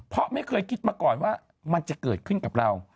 เพราะไม่เคยคิดมาก่อนว่ามันจะเกิดขึ้นกับเรา